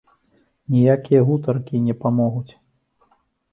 Ніякія гутаркі не памогуць.